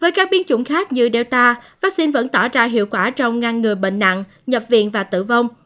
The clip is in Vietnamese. với các biến chủng khác như delta vaccine vẫn tỏ ra hiệu quả trong ngăn ngừa bệnh nặng nhập viện và tử vong